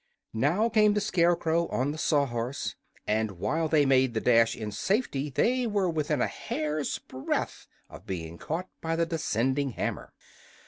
Now came the Scarecrow on the Sawhorse, and while they made the dash in safety they were within a hair's breadth of being caught by the descending hammer.